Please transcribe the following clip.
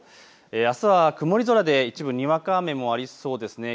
あすは曇り空で一部にわか雨もありそうです。